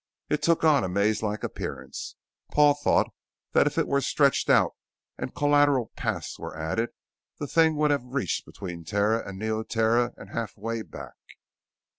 It took on a maze like appearance; Paul thought that if it were stretched out and the collateral paths were added, the thing would have reached between Terra and Neoterra and half way back.